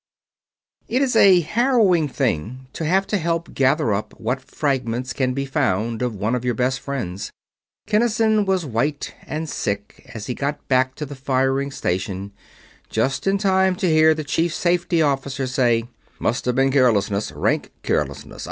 It is a harrowing thing to have to help gather up what fragments can be found of one of your best friends. Kinnison was white and sick as he got back to the firing station, just in time to hear the Chief Safety Officer say: "Must have been carelessness rank carelessness.